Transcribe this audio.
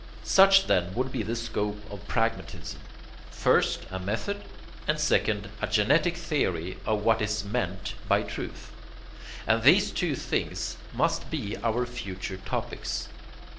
Such then would be the scope of pragmatism first, a method; and second, a genetic theory of what is meant by truth. And these two things must be our future topics.